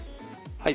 はい。